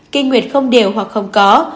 kích nguyệt không đều hoặc không có